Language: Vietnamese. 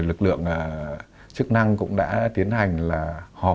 lực lượng chức năng cũng đã tiến hành hòp